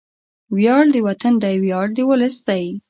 وياړ د وطن دی، ویاړ د ولس دی